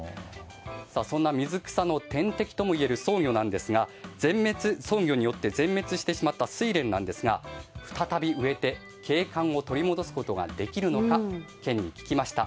そんな水草の天敵ともいえるソウギョですがそのソウギョによって全滅してしまったスイレンですが再び植えて景観を取り戻すことができるのか県に聞きました。